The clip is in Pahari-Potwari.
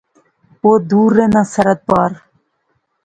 او دور رہنا، سرحد پار